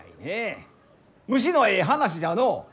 虫のえい話じゃのう！